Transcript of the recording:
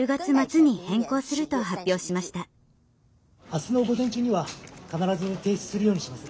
明日の午前中には必ず提出するようにします。